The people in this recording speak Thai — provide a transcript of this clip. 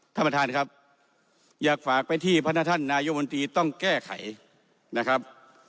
ท่านประธานครับอยากฝากไปที่พระนาท่านนายกมนตรีต้องแก้ไขนะครับ